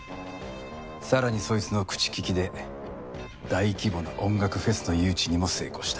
さらにそいつの口利きで大規模な音楽フェスの誘致にも成功した。